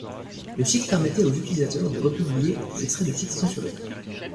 Le site permettait aux utilisateurs de republier des extraits de sites censurés.